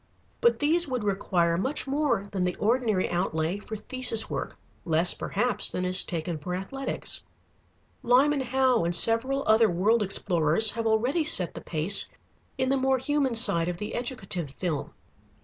But these would require much more than the ordinary outlay for thesis work, less, perhaps, than is taken for Athletics. Lyman Howe and several other world explorers have already set the pace in the more human side of the educative film.